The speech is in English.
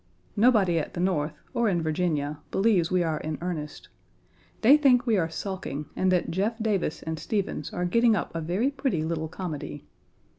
Nobody at the North, or in Virginia, believes we are in earnest. They think we are sulking and that Jeff Davis and Stephens 2 are getting up a very pretty little comedy.